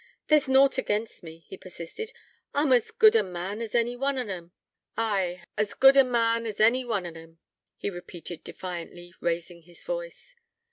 'There's nought against me,' he persisted. 'I'm as good a man as any one on 'em. Ay, as good a man as any one on 'em,' he repeated defiantly, raising his voice.